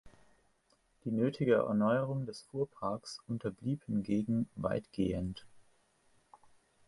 Die nötige Erneuerung des Fuhrparks unterblieb hingegen weitgehend.